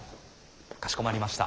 かしこまりました。